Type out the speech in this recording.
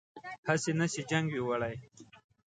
هسې نه چې جنګ وي وړی